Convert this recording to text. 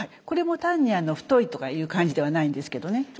これも単に太いとかいう感じではないんですけどね。